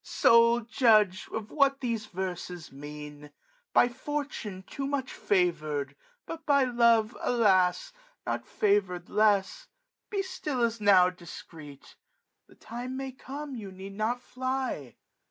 sole judge of what these verses mean ;By fortune too much favoured, but by love, ^^ Alas ! not favoured less ; be still as now *' Discreet j the time may come you need not fly."